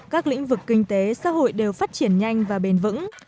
các lĩnh vực kinh tế xã hội đều phát triển nhanh và bền vững